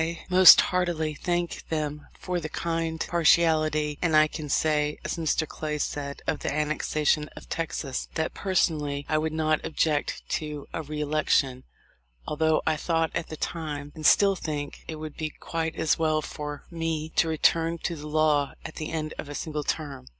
most heartily thank them for the kind partiality, and I can say, as Mr. Clay said of the annexation of Texas, that, 'personally, I would not object' to a re election, although I thought at the time, and still think, it would be quite as well for me to return to the law at the end of a single term.